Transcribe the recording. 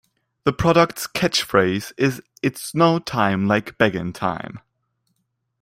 The product's catchphrase is It's no time like Beggin' time!